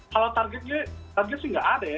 kalau target sih gak ada ya